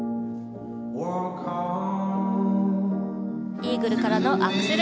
イーグルからのアクセル